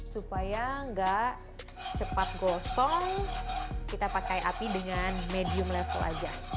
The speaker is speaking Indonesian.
supaya nggak cepat gosong kita pakai api dengan medium level aja